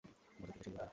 বদর যুদ্ধে সে নিহত হয়।